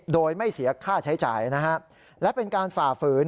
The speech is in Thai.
โดยไม่เสียค่าใช้จ่ายนะฮะและเป็นการฝ่าฝืน